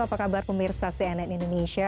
apa kabar pemirsa cnn indonesia